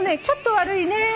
ちょっと悪いね。